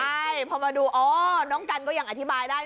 ใช่พอมาดูอ๋อน้องกันก็ยังอธิบายได้